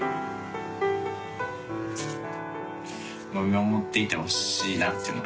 見守っていてほしいなっていう。